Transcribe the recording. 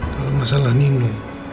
kalau masalah nino